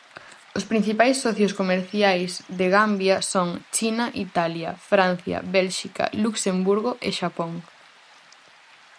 Os principais socios comerciais de Gambia son China, Italia, Francia, Bélxica, Luxemburgo e Xapón.